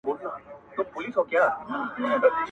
ما له کيسې ژور اغېز واخيست